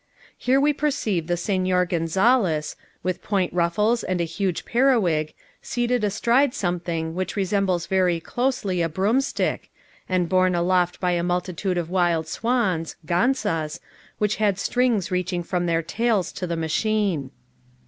Here we perceive the Signor Gonzales, with point ruffles and a huge periwig, seated astride something which resembles very closely a broomstick, and borne aloft by a multitude of wild swans (ganzas) who had strings reaching from their tails to the machine.